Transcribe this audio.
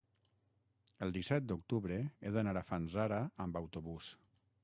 El disset d'octubre he d'anar a Fanzara amb autobús.